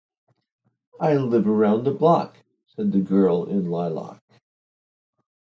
"I live around the block," said the girl in lilac.